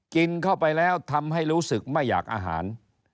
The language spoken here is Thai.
กินเข้าไปแล้วทำให้รู้สึกไม่อยากอาหาร